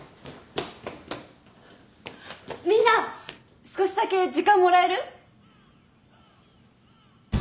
みんな少しだけ時間もらえる？